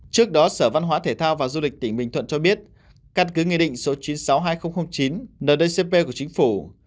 trước đó sở văn hóa thể thao và du lịch tỉnh bình thuận cho biết căn cứ nghị định số chín trăm sáu mươi hai nghìn chín ndcp của chính phủ